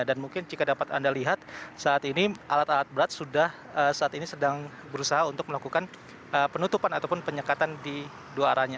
dan mungkin jika dapat anda lihat saat ini alat alat berat sudah saat ini sedang berusaha untuk melakukan penutupan ataupun penyekatan di dua arahnya